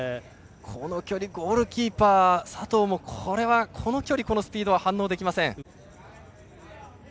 この距離ゴールキーパーの佐藤もこの距離、このスピードは反応できません。